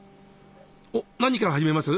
おっ何から始めます？